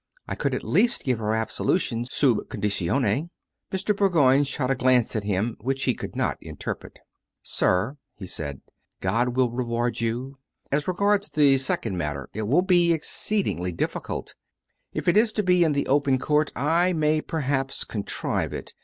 I could at least give her ab solution sub conditione." Mr. Bourgoign shot a glance at him which he could not interpret. "Sir," he said; "God will reward you. ... As regards the second matter it will be exceedingly difficult. If it is to be in the open court, I may perhaps contrive it.